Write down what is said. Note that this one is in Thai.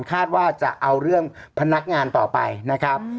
คาดว่าจะเอาเรื่องพนักงานต่อไปนะครับ